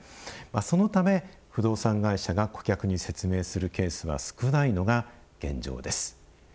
そのため、不動産会社が顧客に説明するケースは少ないのが現状です。